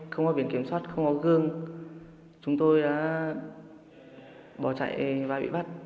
không có biển kiểm soát không có gương chúng tôi đã bỏ chạy và bị bắt